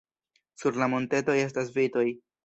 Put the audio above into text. Sur la montetoj estas vitoj.